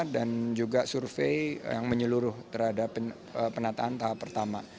dan juga survei yang menyeluruh terhadap penataan tahap pertama